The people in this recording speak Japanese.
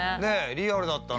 リアルだったな。